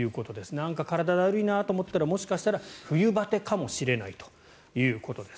なんか体だるいなと思ったらもしかしたら冬バテかもしれないということです。